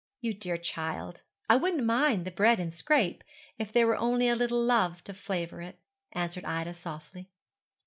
'You dear child, I wouldn't mind the bread and scrape, if there were only a little love to flavour it,' answered Ida softly.